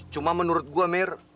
cuma menurut gua mir